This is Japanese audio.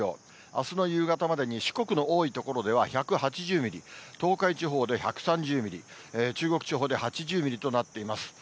あすの夕方までに四国の多い所では１８０ミリ、東海地方で１３０ミリ、中国地方で８０ミリとなっています。